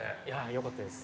よかったです。